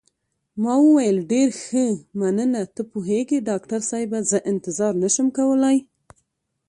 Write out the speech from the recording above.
ما وویل: ډېر ښه، مننه، ته پوهېږې ډاکټر صاحبه، زه انتظار نه شم کولای.